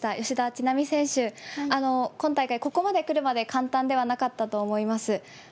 吉田知那美選手、今大会、ここまで来るまで簡単ではなかったと思います。